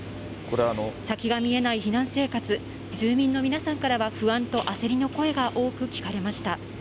先が見えない避難生活、住民の皆さんからは、不安と焦りの声が多く聞かれました。